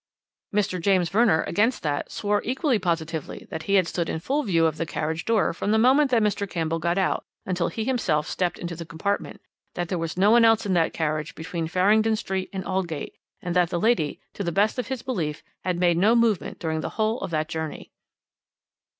"Mr. James Verner, against that, swore equally positively that he had stood in full view of the carriage door from the moment that Mr. Campbell got out until he himself stepped into the compartment, that there was no one else in that carriage between Farringdon Street and Aldgate, and that the lady, to the best of his belief, had made no movement during the whole of that journey.